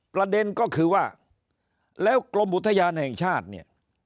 ประเด็นก็คือว่าแล้วกรมอุทยานแห่งชาติเนี่ย